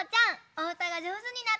おうたがじょうずになったね！